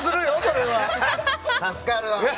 助かるわ。